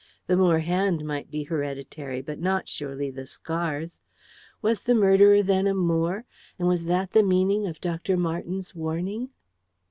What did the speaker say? The Moore hand might be hereditary, but not surely the scars. Was the murderer, then, a Moore, and was that the meaning of Dr. Marten's warning?